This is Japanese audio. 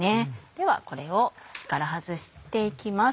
ではこれを火から外していきます。